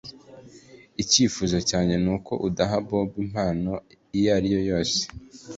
Icyifuzo cyanjye nuko udaha Bobo impano iyo ari yo yose